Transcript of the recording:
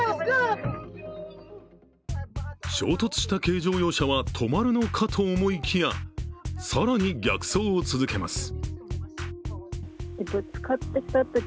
衝突した軽乗用車は止まるのかと思いきや、更に逆走を続けます。